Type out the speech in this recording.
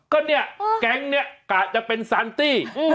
ก็นี่แก๊งกาศจะเป็นโยสันตี้